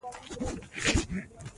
دغه ملا په تلویزیون کې خبرې کولې.